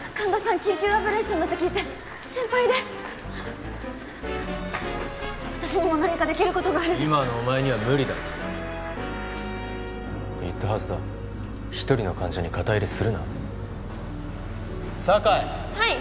緊急アブレーションだって聞いて心配で私にも何かできることがあれば今のお前には無理だ言ったはずだ一人の患者に肩入れするな酒井はい！